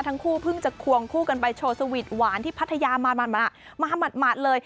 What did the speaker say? ทั้งคู่เพิ่งจะควงคู่กันไปโชว์สวีทหวานที่พัทยามาหมัดเลย